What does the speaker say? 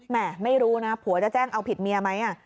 ไม่รู้นะผัวจะแจ้งเอาผิดเมียไหม